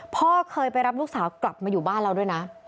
พ่อเคยไปรับลูกสาวกลับมาอยู่บ้านเราด้วยนะ